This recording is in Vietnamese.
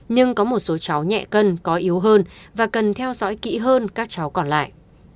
nhưng có một số cháu nhẹ cân có yếu hơn và cần theo dõi kỹ hơn các cháu còn lại